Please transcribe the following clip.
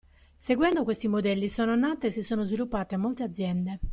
Seguendo questi modelli sono nate e si sono sviluppate molte aziende.